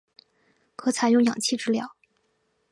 可采用氧气治疗。